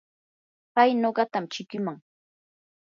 pay nuqatam chikiman.